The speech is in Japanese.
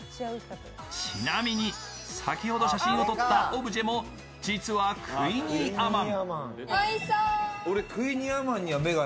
ちなみに、先ほど写真を撮ったオブジェも実はクイニーアマン。